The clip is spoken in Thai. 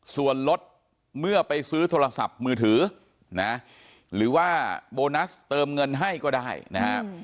ส่วนรถเมื่อไปซื้อโทรศัพท์มือถือนะหรือว่าโบนัสเติมเงินให้ก็ได้นะครับ